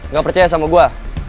gak percaya sama gue